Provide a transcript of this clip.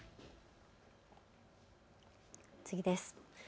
次です。